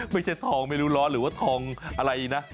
ไม่ใช่ทองไม่รู้ร้อนหรือว่าทองอะไรนะ